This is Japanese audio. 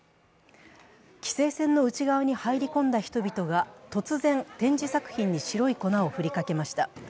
規制線の内側に入り込んだ人々が突然、展示作品に白い粉を振りかけました。